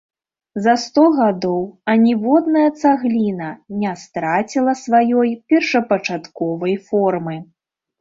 За сто гадоў аніводная цагліна не страціла сваёй першапачатковай формы.